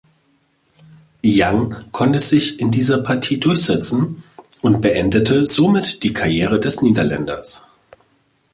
Young konnte sich in dieser Partie durchsetzen und beendete somit die Karriere des Niederländers.